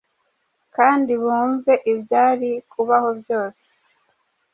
kandi bumve ibyari kubaho byose